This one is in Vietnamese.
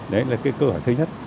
đấy là cái cơ hội thứ nhất